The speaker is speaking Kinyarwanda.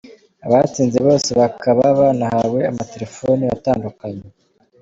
Abatsinze bose bakaba banahawe amatelefone atandukanye.